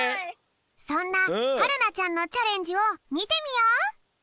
そんなはるなちゃんのチャレンジをみてみよう。